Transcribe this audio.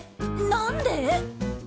何で。